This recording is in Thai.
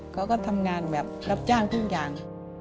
เขาก็ทำงานแบบรับจ้างทุกอย่าง